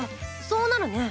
そうなるね。